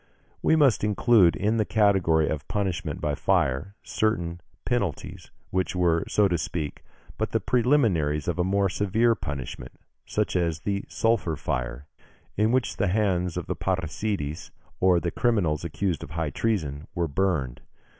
We must include in the category of punishment by fire certain penalties, which were, so to speak, but the preliminaries of a more severe punishment, such as the sulphur fire, in which the hands of parricides, or of criminals accused of high treason, were burned.